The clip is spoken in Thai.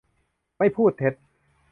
ไม่พูดเท็จ